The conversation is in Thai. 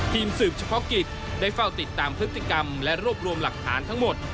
ทีมสืบเฉพาะกิจได้เฝ้าติดตามพฤติกรรมและรวบรวมหลักฐานทั้งหมด